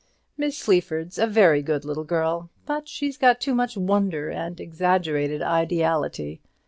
Miss Sleaford's a very good little girl; but she's got too much Wonder and exaggerated Ideality.